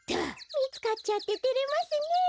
みつかっちゃっててれますねえ。